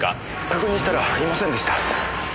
確認したらいませんでした。